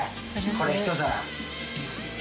これ１皿。